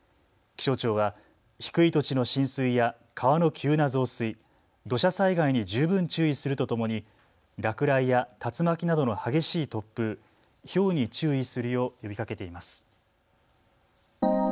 気象庁は低い土地の浸水や川の急な増水、土砂災害に十分注意するとともに落雷や竜巻などの激しい突風、ひょうに注意するよう呼びかけています。